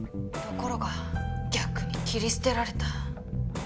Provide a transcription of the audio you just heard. ところが逆に切り捨てられた。